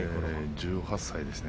１８歳ですね